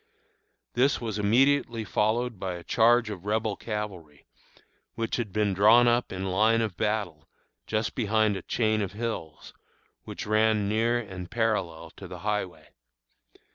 This was immediately followed by a charge of Rebel cavalry, which had been drawn up in line of battle just behind a chain of hills which ran near and parallel to the highway.